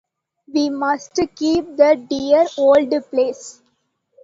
We must keep the dear old place.